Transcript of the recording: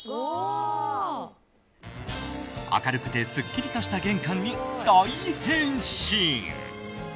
明るくてすっきりとした玄関に大変身。